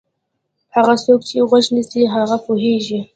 هغه څوک چې غوږ نیسي هغه پوهېږي.